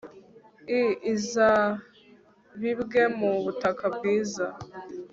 l Izabibwe mu butaka bwiza